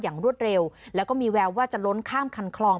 รวดเร็วแล้วก็มีแววว่าจะล้นข้ามคันคลอง